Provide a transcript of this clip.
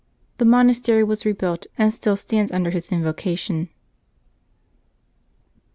The monastery was rebuilt, and still stands under his invocation.